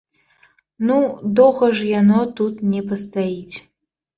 Ну, доўга ж яно тут не пастаіць.